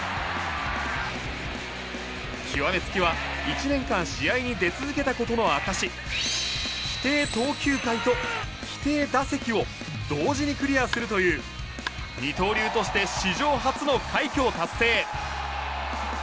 極め付きは１年間試合に出続けた事の証し規定投球回と規定打席を同時にクリアするという二刀流として史上初の快挙を達成。